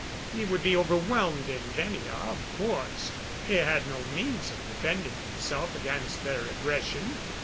He would be overwhelmed in Venia, of course. He had no means of defending himself against their aggression.